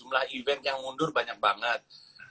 ada event yang ngundur banyak banget